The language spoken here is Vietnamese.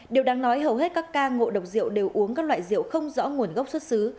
điều đáng nói hầu hết các ca ngộ độc rượu đều uống các loại rượu không rõ nguồn gốc xuất xứ